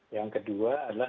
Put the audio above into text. yang kedua adalah